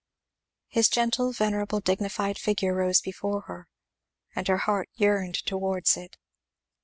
His gentle, venerable, dignified figure rose before her, and her heart yearned towards it.